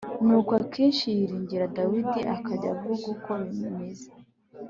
nuko akishi yiringira dawidi akajya avuga uko bimmeze